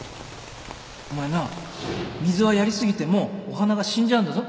お前な水はやり過ぎてもお花が死んじゃうんだぞ